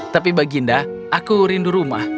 tapi baginda aku rindu rumah